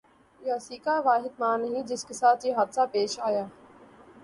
یاسیکا واحد ماں نہیں جس کے ساتھ یہ حادثہ پیش آیا